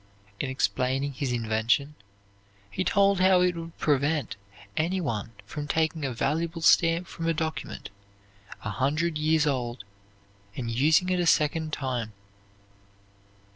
In explaining his invention, he told how it would prevent any one from taking a valuable stamp from a document a hundred years old and using it a second time.